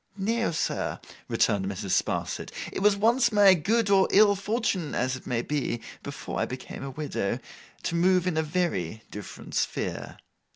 'No, sir,' returned Mrs. Sparsit. 'It was once my good or ill fortune, as it may be—before I became a widow—to move in a very different sphere.